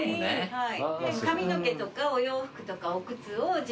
はい。